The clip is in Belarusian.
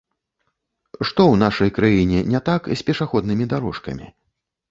Што ў нашай краіне не так з пешаходнымі дарожкамі?